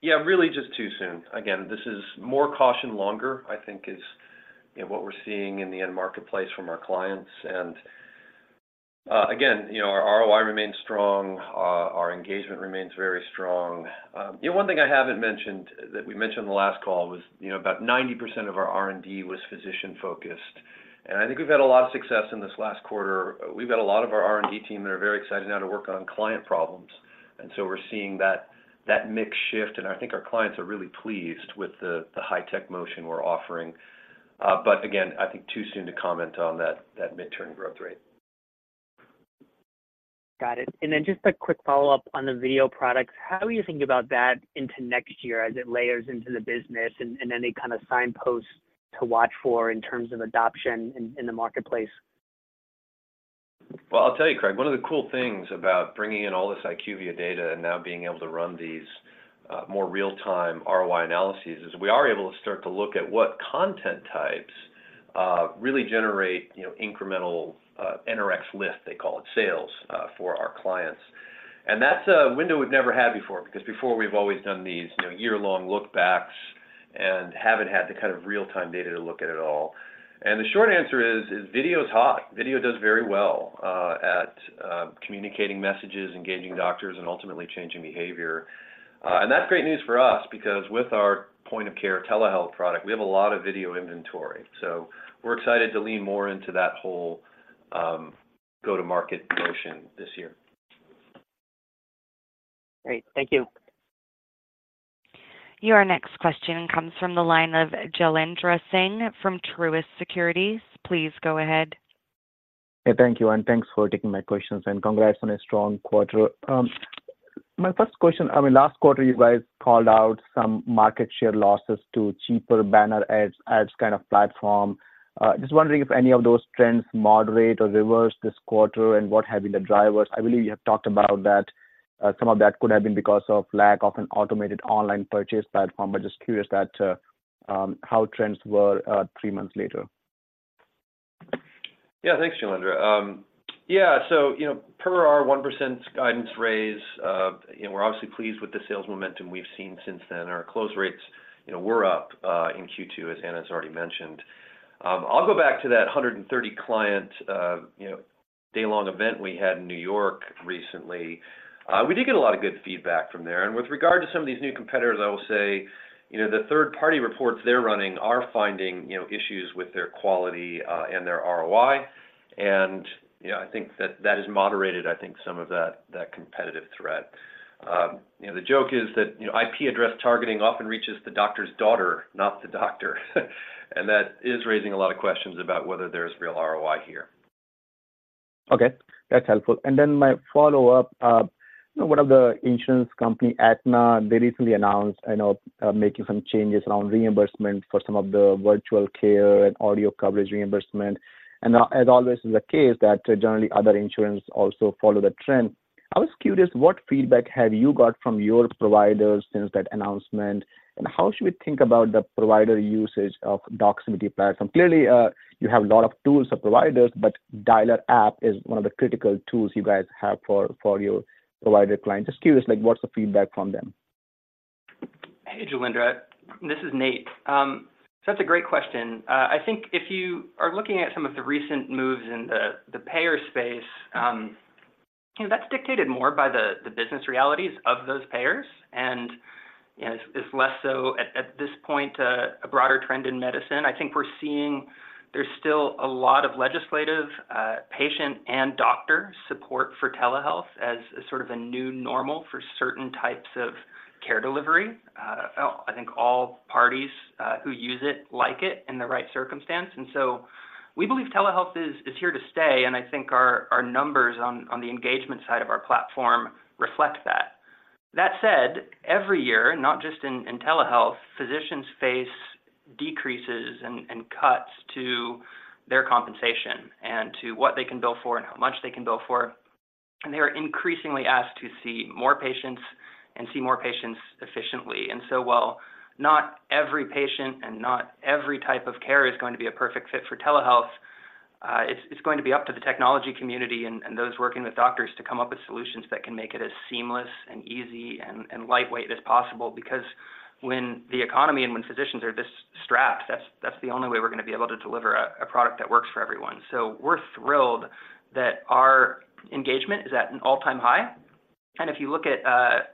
C: Yeah, really just too soon. Again, this is more caution longer, I think is, you know, what we're seeing in the end marketplace from our clients. And again, you know, our ROI remains strong, our engagement remains very strong. You know, one thing I haven't mentioned, that we mentioned the last call was, you know, about 90% of our R&D was physician focused, and I think we've had a lot of success in this last quarter. We've got a lot of our R&D team that are very excited now to work on client problems, and so we're seeing that mix shift, and I think our clients are really pleased with the high-tech motion we're offering. But again, I think too soon to comment on that midterm growth rate.
N: Got it. Then just a quick follow-up on the video products. How are you thinking about that into next year as it layers into the business, and any kind of signposts to watch for in terms of adoption in the marketplace?
C: Well, I'll tell you, Craig, one of the cool things about bringing in all this IQVIA data and now being able to run these, more real-time ROI analyses is we are able to start to look at what content types, really generate, you know, incremental, NRx list, they call it, sales, for our clients. And that's a window we've never had before, because before we've always done these, you know, year-long look backs and haven't had the kind of real-time data to look at it all. And the short answer is, is video is hot. Video does very well, at, communicating messages, engaging doctors, and ultimately changing behavior. And that's great news for us because with our point of care telehealth product, we have a lot of video inventory. So we're excited to lean more into that whole, go-to-market motion this year.
N: Great. Thank you.
A: Your next question comes from the line of Jailendra Singh from Truist Securities. Please go ahead.
O: Hey, thank you, and thanks for taking my questions, and congrats on a strong quarter. My first question-- I mean, last quarter, you guys called out some market share losses to cheaper banner ads as kind of platform. Just wondering if any of those trends moderate or reverse this quarter, and what have been the drivers? I believe you have talked about that, some of that could have been because of lack of an automated online purchase platform, but just curious that, how trends were, three months later.
C: Yeah, thanks, Jailendra. Yeah, so, you know, per our 1% guidance raise, you know, we're obviously pleased with the sales momentum we've seen since then. Our close rates, you know, were up, in Q2, as Anna's already mentioned. I'll go back to that 130 client, you know, day-long event we had in New York recently. We did get a lot of good feedback from there. And with regard to some of these new competitors, I will say, you know, the third-party reports they're running are finding, you know, issues with their quality, and their ROI. And, you know, I think that that has moderated, I think some of that, that competitive threat. You know, the joke is that, you know, IP address targeting often reaches the doctor's daughter, not the doctor, and that is raising a lot of questions about whether there's real ROI here.
O: Okay, that's helpful. And then my follow-up, you know, one of the insurance company, Aetna, they recently announced, I know, making some changes around reimbursement for some of the virtual care and audio coverage reimbursement. And, as always is the case, that generally other insurance also follow the trend. I was curious, what feedback have you got from your providers since that announcement, and how should we think about the provider usage of Doximity platform? Clearly, you have a lot of tools for providers, but dialer app is one of the critical tools you guys have for your provider clients. Just curious, like, what's the feedback from them?
P: Hey, Jailendra, this is Nate. That's a great question. I think if you are looking at some of the recent moves in the, the payer space, you know, that's dictated more by the, the business realities of those payers, and, you know, it's, it's less so at, at this point, a broader trend in medicine. I think we're seeing there's still a lot of legislative, patient and doctor support for telehealth as sort of a new normal for certain types of care delivery. I think all parties, who use it, like it in the right circumstance, and so, ... We believe telehealth is here to stay, and I think our numbers on the engagement side of our platform reflect that. That said, every year, not just in telehealth, physicians face decreases and cuts to their compensation and to what they can bill for and how much they can bill for, and they are increasingly asked to see more patients and see more patients efficiently. And so, while not every patient and not every type of care is going to be a perfect fit for telehealth, it's going to be up to the technology community and those working with doctors to come up with solutions that can make it as seamless and easy and lightweight as possible. Because when the economy and when physicians are this strapped, that's the only way we're gonna be able to deliver a product that works for everyone. So we're thrilled that our engagement is at an all-time high. And if you look at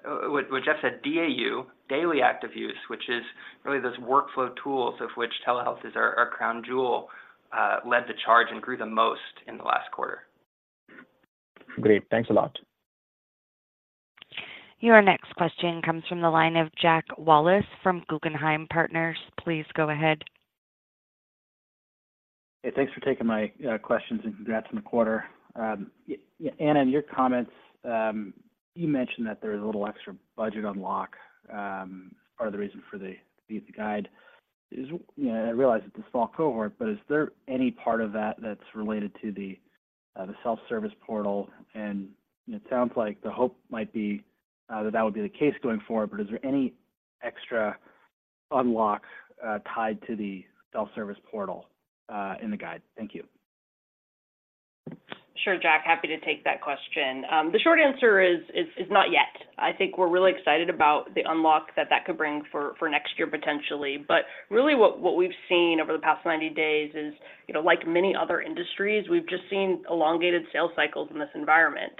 P: what Jeff said, DAU, Daily Active Use, which is really those workflow tools of which telehealth is our crown jewel, led the charge and grew the most in the last quarter.
O: Great. Thanks a lot.
A: Your next question comes from the line of Jack Wallace from Guggenheim Partners. Please go ahead.
Q: Hey, thanks for taking my questions and congrats on the quarter. Anna, in your comments, you mentioned that there was a little extra budget unlock as part of the reason for the beat the guide. You know, I realize it's a small cohort, but is there any part of that that's related to the self-service portal? And it sounds like the hope might be that that would be the case going forward, but is there any extra unlocks tied to the self-service portal in the guide? Thank you.
D: Sure, Jack. Happy to take that question. The short answer is not yet. I think we're really excited about the unlock that that could bring for next year, potentially. But really, what we've seen over the past 90 days is, you know, like many other industries, we've just seen elongated sales cycles in this environment.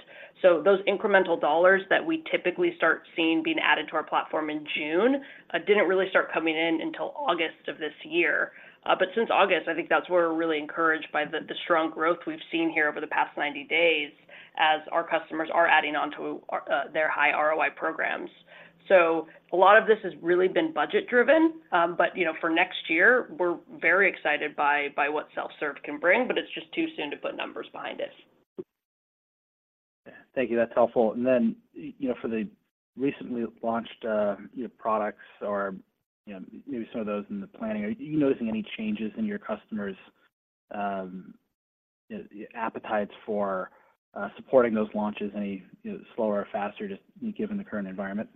D: So those incremental dollars that we typically start seeing being added to our platform in June didn't really start coming in until August of this year. But since August, I think that's where we're really encouraged by the strong growth we've seen here over the past 90 days as our customers are adding on to their high ROI programs. A lot of this has really been budget-driven, but, you know, for next year, we're very excited by what self-serve can bring, but it's just too soon to put numbers behind it.
Q: Thank you. That's helpful. And then, you know, for the recently launched, you know, products or, you know, maybe some of those in the planning, are you noticing any changes in your customers' appetites for supporting those launches any, you know, slower or faster, just given the current environment?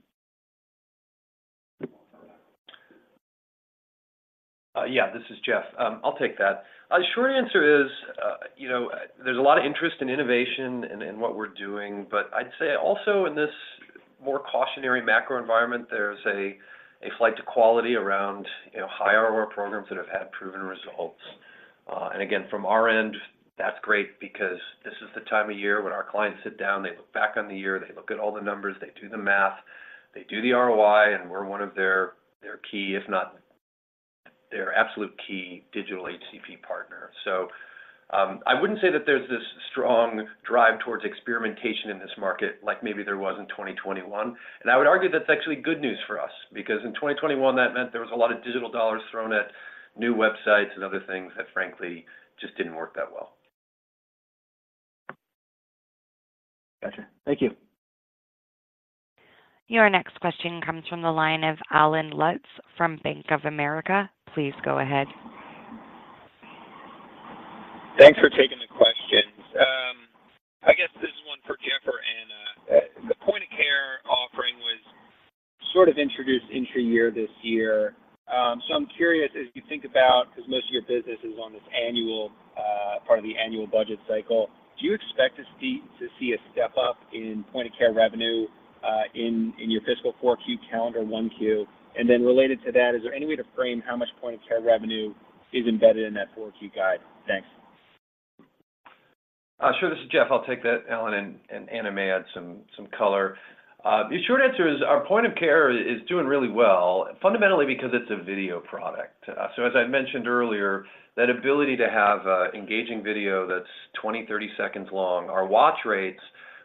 C: Yeah, this is Jeff. I'll take that. The short answer is, you know, there's a lot of interest in innovation and what we're doing, but I'd say also in this more cautionary macro environment, there's a flight to quality around, you know, high ROI programs that have had proven results. And again, from our end, that's great because this is the time of year when our clients sit down, they look back on the year, they look at all the numbers, they do the math, they do the ROI, and we're one of their key, if not their absolute key digital HCP partner. So, I wouldn't say that there's this strong drive towards experimentation in this market like maybe there was in 2021. I would argue that's actually good news for us, because in 2021, that meant there was a lot of digital dollars thrown at new websites and other things that frankly just didn't work that well.
Q: Gotcha. Thank you.
A: Your next question comes from the line of Allen Lutz from Bank of America. Please go ahead.
R: Thanks for taking the question. I guess this is one for Jeff or Anna. The point of care offering was sort of introduced intra-year this year. So I'm curious, as you think about... because most of your business is on this annual part of the annual budget cycle, do you expect to see a step-up in point-of-care revenue in your fiscal 4Q calendar 1Q? And then related to that, is there any way to frame how much point-of-care revenue is embedded in that 4Q guide? Thanks.
C: Sure. This is Jeff. I'll take that, Allen, and Anna may add some color. The short answer is our point of care is doing really well, fundamentally because it's a video product. So as I mentioned earlier, that ability to have an engaging video that's 20, 30 seconds long, our watch rates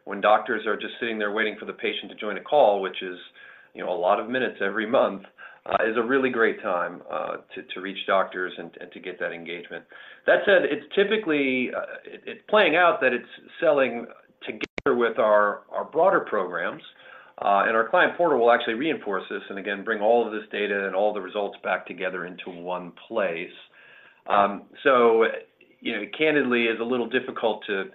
C: when doctors are just sitting there waiting for the patient to join a call, which is, you know, a lot of minutes every month, is a really great time to reach doctors and to get that engagement. That said, it's typically, it, it's playing out that it's selling together with our broader programs, and our client portal will actually reinforce this and again, bring all of this data and all the results back together into one place. So, you know, candidly, it's a little difficult to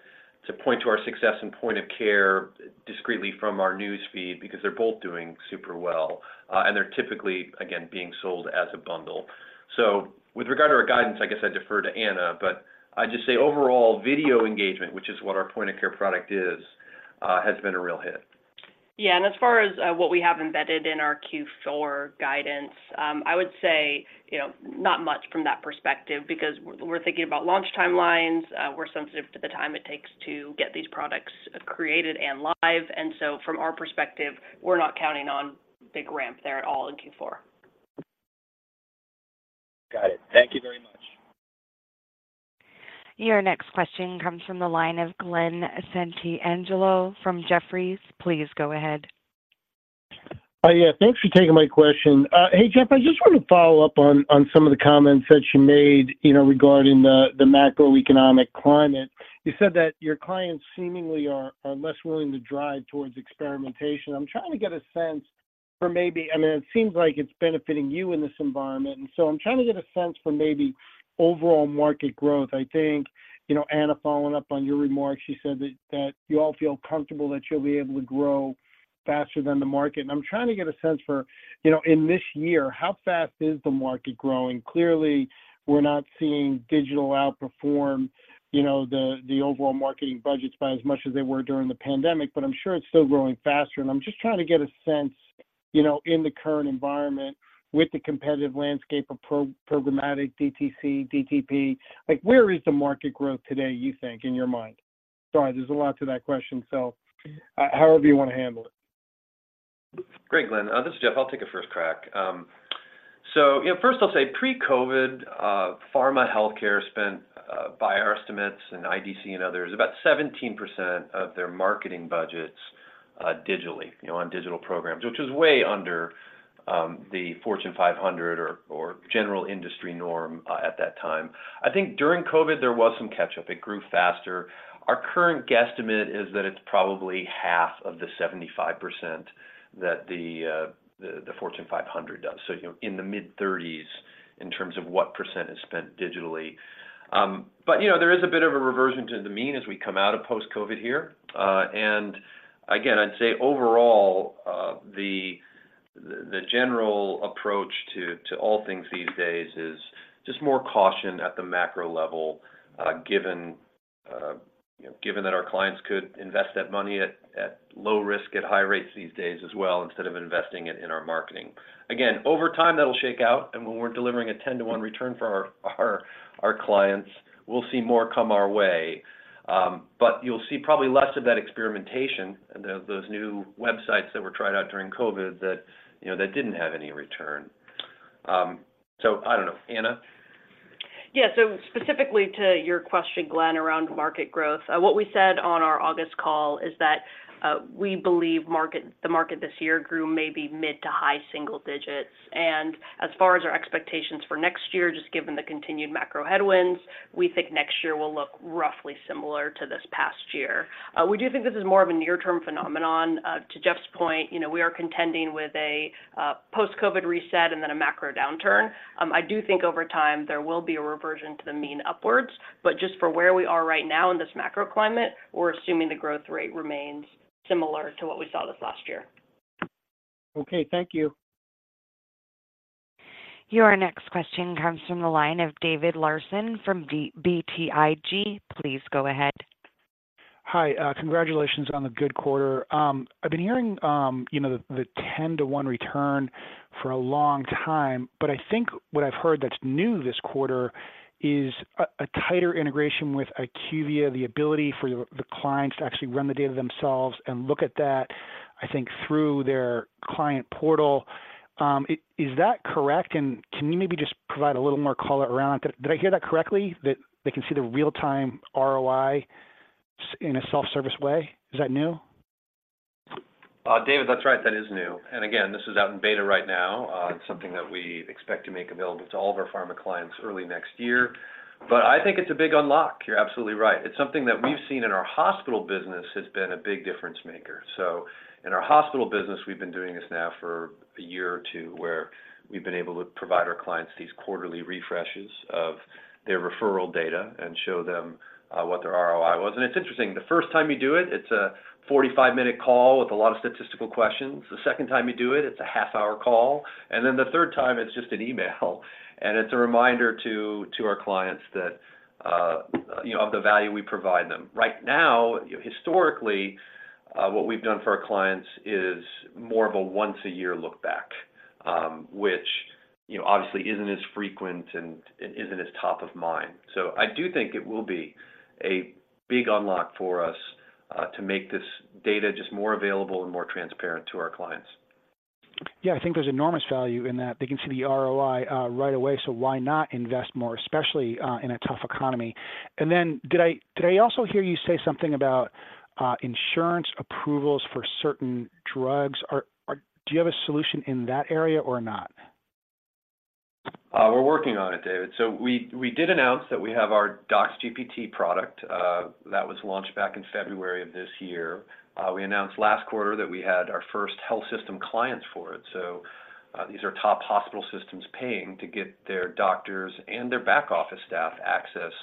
C: point to our success and point of care discreetly from our news feed because they're both doing super well, and they're typically, again, being sold as a bundle. So with regard to our guidance, I guess I defer to Anna, but I'd just say overall, video engagement, which is what our point of care product is, has been a real hit.
D: Yeah, and as far as what we have embedded in our Q4 guidance, I would say, you know, not much from that perspective, because we're thinking about launch timelines, we're sensitive to the time it takes to get these products created and live. And so from our perspective, we're not counting on big ramp there at all in Q4.
R: Got it. Thank you very much.
A: Your next question comes from the line of Glen Santangelo from Jefferies. Please go ahead....
S: Yeah, thanks for taking my question. Hey, Jeff, I just wanted to follow up on some of the comments that you made, you know, regarding the macroeconomic climate. You said that your clients seemingly are less willing to drive towards experimentation. I'm trying to get a sense for maybe— I mean, it seems like it's benefiting you in this environment, and so I'm trying to get a sense for maybe overall market growth. I think, you know, Anna, following up on your remarks, she said that you all feel comfortable that you'll be able to grow faster than the market. And I'm trying to get a sense for, you know, in this year, how fast is the market growing? Clearly, we're not seeing digital outperform, you know, the overall marketing budgets by as much as they were during the pandemic, but I'm sure it's still growing faster. And I'm just trying to get a sense, you know, in the current environment with the competitive landscape of programmatic DTC, DTP, like, where is the market growth today, you think, in your mind? Sorry, there's a lot to that question, so, however you wanna handle it.
C: Great, Glen. This is Jeff. I'll take a first crack. So, you know, first I'll say pre-COVID, pharma healthcare spent, by our estimates and IDC and others, about 17% of their marketing budgets, digitally, you know, on digital programs, which is way under the Fortune 500 or general industry norm at that time. I think during COVID, there was some catch-up. It grew faster. Our current guesstimate is that it's probably half of the 75% that the Fortune 500 does. So, you know, in the mid-30s in terms of what percent is spent digitally. But, you know, there is a bit of a reversion to the mean as we come out of post-COVID here. And again, I'd say overall, the general approach to all things these days is just more caution at the macro level, given, you know, given that our clients could invest that money at low risk, at high rates these days as well, instead of investing it in our marketing. Again, over time, that'll shake out, and when we're delivering a 10-to-1 return for our clients, we'll see more come our way. But you'll see probably less of that experimentation and those new websites that were tried out during COVID that, you know, that didn't have any return. So I don't know. Anna?
D: Yeah. So specifically to your question, Glen, around market growth, what we said on our August call is that we believe the market this year grew maybe mid to high single digits, and as far as our expectations for next year, just given the continued macro headwinds, we think next year will look roughly similar to this past year. We do think this is more of a near-term phenomenon. To Jeff's point, you know, we are contending with a post-COVID reset and then a macro downturn. I do think over time there will be a reversion to the mean upwards, but just for where we are right now in this macro climate, we're assuming the growth rate remains similar to what we saw this last year.
S: Okay. Thank you.
A: Your next question comes from the line of David Larsen from BTIG. Please go ahead.
T: Hi. Congratulations on the good quarter. I've been hearing, you know, the 10-to-1 return for a long time, but I think what I've heard that's new this quarter is a tighter integration with IQVIA, the ability for the clients to actually run the data themselves and look at that, I think, through their client portal. Is that correct? And can you maybe just provide a little more color around... Did I hear that correctly, that they can see the real-time ROI in a self-service way? Is that new?
C: David, that's right. That is new. And again, this is out in beta right now. It's something that we expect to make available to all of our pharma clients early next year, but I think it's a big unlock. You're absolutely right. It's something that we've seen in our hospital business has been a big difference maker. So in our hospital business, we've been doing this now for a year or two, where we've been able to provide our clients these quarterly refreshes of their referral data and show them what their ROI was. And it's interesting, the first time you do it, it's a 45-minute call with a lot of statistical questions. The second time you do it, it's a half-hour call, and then the third time, it's just an email, and it's a reminder to our clients that, you know, of the value we provide them. Right now, historically, what we've done for our clients is more of a once-a-year look back, which, you know, obviously isn't as frequent and isn't as top of mind. So I do think it will be a big unlock for us, to make this data just more available and more transparent to our clients.
T: Yeah, I think there's enormous value in that. They can see the ROI right away, so why not invest more, especially in a tough economy? And then did I also hear you say something about insurance approvals for certain drugs? Are... Do you have a solution in that area or not?
C: We're working on it, David. So we did announce that we have our DocsGPT product that was launched back in February of this year. We announced last quarter that we had our first health system clients for it. So these are top hospital systems paying to get their doctors and their back office staff access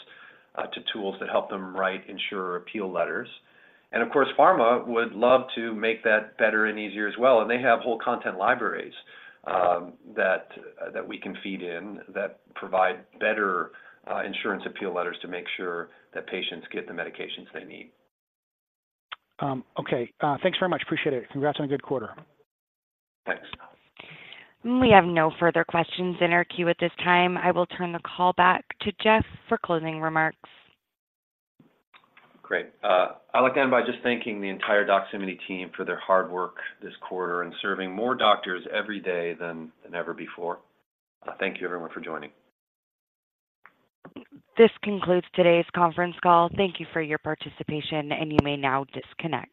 C: to tools that help them write insurer appeal letters. And of course, pharma would love to make that better and easier as well, and they have whole content libraries that we can feed in that provide better insurance appeal letters to make sure that patients get the medications they need.
T: Okay. Thanks very much. Appreciate it. Congrats on a good quarter.
C: Thanks.
A: We have no further questions in our queue at this time. I will turn the call back to Jeff for closing remarks.
C: Great. I'll end by just thanking the entire Doximity team for their hard work this quarter and serving more doctors every day than ever before. Thank you, everyone, for joining.
A: This concludes today's conference call. Thank you for your participation, and you may now disconnect.